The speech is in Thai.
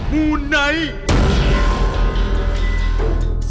มูไนท์